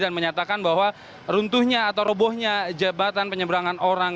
dan menyatakan bahwa runtuhnya atau robohnya jabatan penyeberangan orang